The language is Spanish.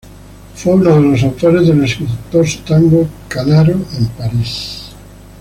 Fue uno de los autores del exitoso tango "Canaro en París".